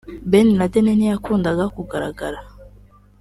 Ben Laden ntiyakundaga kugaragara